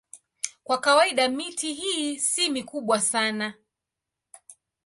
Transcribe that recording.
Kwa kawaida miti hii si mikubwa sana.